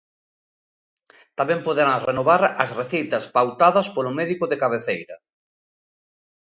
Tamén poderán renovar as receitas pautadas polo médico de cabeceira.